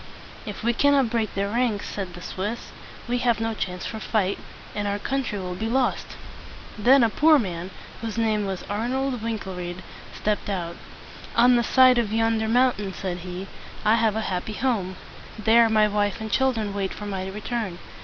"If we cannot break their ranks," said the Swiss, "we have no chance for fight, and our country will be lost!" Then a poor man, whose name was Ar nold Wink´el ried, stepped out. "On the side of yonder moun tain," said he, "I have a happy home. There my wife and chil dren wait for my return.